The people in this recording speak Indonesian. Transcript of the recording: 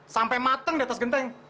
sampai mateng di atas genteng